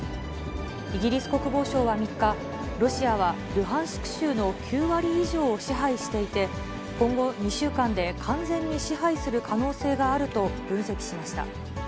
イギリス国防省は３日、ロシアはルハンシク州の９割以上を支配していて、今後２週間で、完全に支配する可能性があると分析しました。